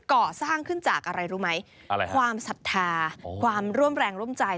ก่อสร้างขึ้นจากอะไรรู้ไหมอะไรความศรัทธาความร่วมแรงร่วมใจ